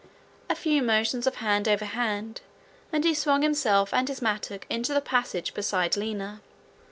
A few motions of hand over hand, and he swung himself and his mattock into the passage beside Lina.